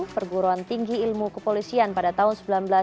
perguruan tinggi ilmu kepolisian pada tahun seribu sembilan ratus sembilan puluh